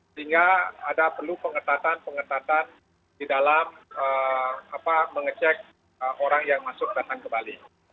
sehingga ada perlu pengetahuan pengetahuan di dalam mengecek orang yang masuk dan kembali